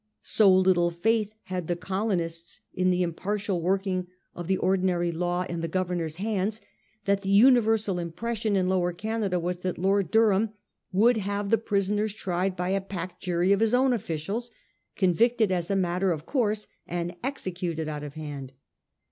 So little faith had the colonists in the impartial working 70 A HISTORY OF OUR OWN TIMES. cn. in. of the ordinary law in the governor's hands, that the universal impression in Lower Canada was that Lord Durham would have the prisoners tried by a packed jury of his own officials, convicted as a matter of course, and executed out of hand.